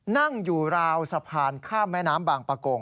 นั่งอยู่ราวสะพานข้ามแม่น้ำบางประกง